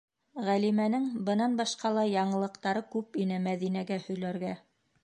Ғәлимәнең бынан башҡа ла яңылыҡтары күп ине Мәҙинәгә һөйләргә.